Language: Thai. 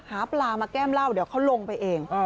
หาปลามาแก้มเหล้าเดี๋ยวเขาลงไปเอง